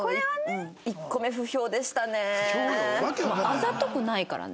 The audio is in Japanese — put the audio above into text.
あざとくないからね。